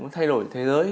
thay đổi thế giới